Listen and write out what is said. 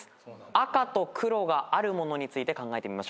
赤と黒があるものについて考えてみましょう。